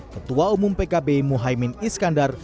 ketua umum pkb muhaymin iskandar